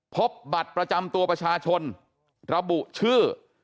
พบบัตรประจำตัวประชาชนระบุชื่อ